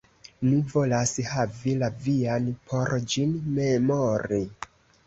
Mi volas havi la vian, por ĝin memori.